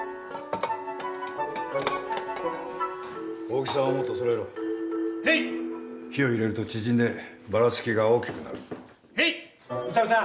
大きさをもっと揃えろ・へいッ火を入れると縮んでばらつきが大きくなるへいッ・宇佐美さん